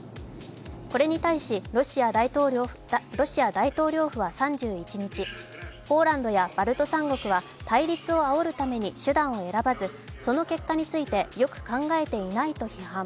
これに対しロシア大統領府は３１日、ポーランドやバルト三国は対立をあおるために手段を選ばず、その結果についてよく考えていないと批判。